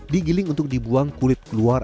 digiling untuk dibuang kulit keluar